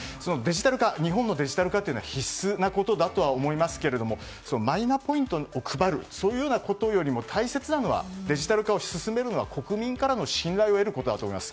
日本のデジタル化は必須なことだとは思いますがマイナポイントを配ることよりも大切なのはデジタル化を進めるのは国民からの信頼を得ることだと思います。